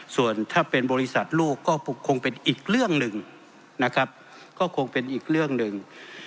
ส่วนถ้าเป็นบริษัทลูกก็คงเป็นอีกเรื่องหนึ่ง